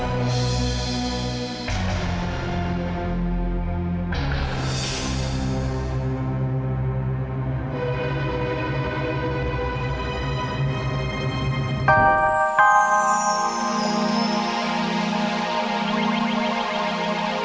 tidak tidak tidak aku tidak perlu tuhan